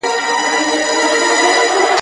د حبیبي او د رشاد او بېنوا کلی دی ,